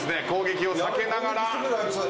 攻撃を避けながら。